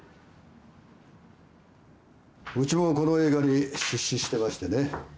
うちもこの映画に出資してましてね。